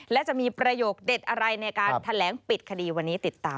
และจะมีประโยคเด็ดอะไรในการแถลงปิดคดีวันนี้ติดตาม